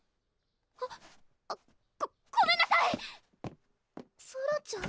ごごめんなさいソラちゃん？